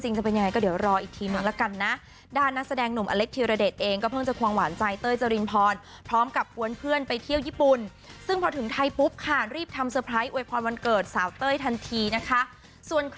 ตอนเริ่มแล้วยังยังยังมันไม่ถึงขนาดนั้น